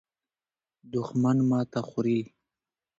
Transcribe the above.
دښمن ماته خوري.